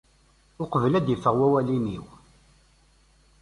Uqbel ad d-iffeɣ wawal imi-w.